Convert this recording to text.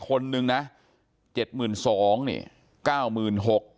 คนหนึ่งนะเจ็ดหมื่นสองเนี่ยเก้ามือนหก